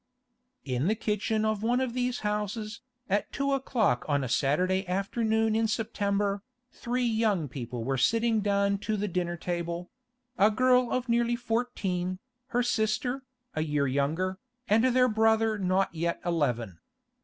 In the kitchen of one of these houses, at two o'clock on a Saturday afternoon in September, three young people were sitting down to the dinner table: a girl of nearly fourteen, her sister, a year younger, and their brother not yet eleven.